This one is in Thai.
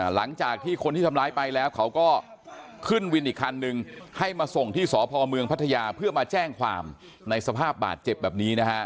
หลังจากที่คนที่ทำร้ายไปแล้วเขาก็ขึ้นวินอีกคันนึงให้มาส่งที่สพเมืองพัทยาเพื่อมาแจ้งความในสภาพบาดเจ็บแบบนี้นะฮะ